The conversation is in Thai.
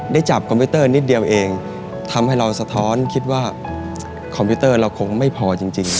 จับคอมพิวเตอร์นิดเดียวเองทำให้เราสะท้อนคิดว่าคอมพิวเตอร์เราคงไม่พอจริง